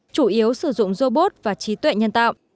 chủ yếu sử dụng robot và trí tuệ nhân tạo